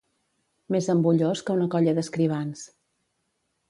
Més embullós que una colla d'escrivans.